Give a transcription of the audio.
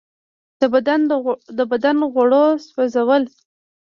د بدن غوړو سوځول.